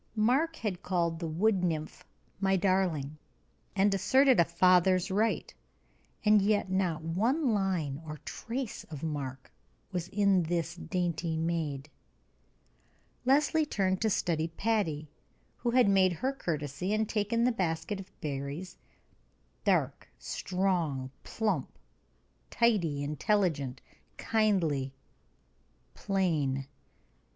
Mark had called the wood nymph "my darling," and asserted a father's right; and yet not one line or trace of Mark was in this dainty maid. Leslie turned to study Patty, who had made her courtesy and taken the basket of berries dark, strong, plump, tidy, intelligent, kindly, plain.